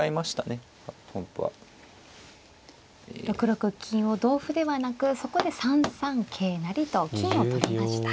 ６六金を同歩ではなくそこで３三桂成と金を取りました。